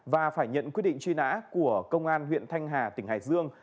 và phải nhận quyết định truy nã của công an huyện thanh hà tỉnh hải dương